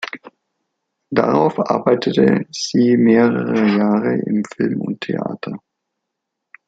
Darauf arbeitete sie mehrere Jahre im Film und Theater.